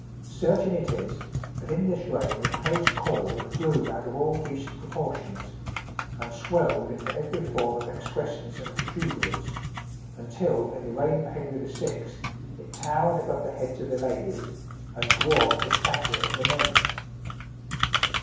Certain it is that in this reign the close caul grew out of all decent proportions, and swelled into every form of excrescence and protuberance, until in the reign of Henry VI. it towered above the heads of the ladies, and dwarfed the stature of the men.